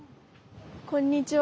こんにちは。